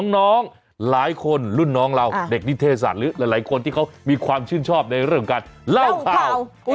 น้องหลายคนรุ่นน้องเราเด็กนิเทศศาสตร์หรือหลายคนที่เขามีความชื่นชอบในเรื่องการเล่าข่าว